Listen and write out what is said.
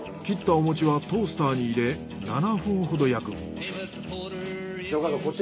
切ったお餅はトースターに入れ７分ほど焼く。